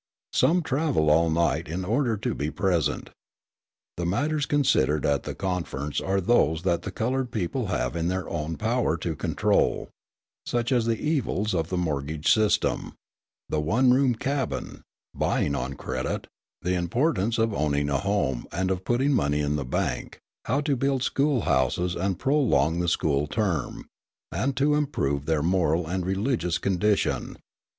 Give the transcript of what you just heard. Some travel all night in order to be present. The matters considered at the conference are those that the coloured people have it in their own power to control, such as the evils of the mortgage system, the one room cabin, buying on credit, the importance of owning a home and of putting money in the bank, how to build school houses and prolong the school term, and to improve their moral and religious condition.